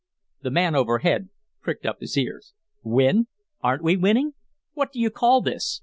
The man overhead pricked up his ears. "Win? Aren't we winning? What do you call this?